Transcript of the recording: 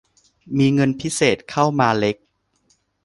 มีเงินพิเศษเข้ามาเล็ก